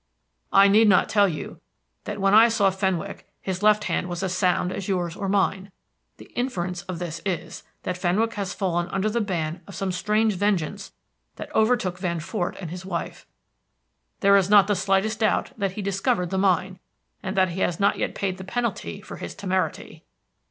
I need not tell you that when I last saw Fenwick his left hand was as sound as yours or mine. The inference of this is, that Fenwick has fallen under the ban of the same strange vengeance that overtook Van Fort and his wife. There is not the slightest doubt that he discovered the mine, and that he has not yet paid the penalty for his temerity."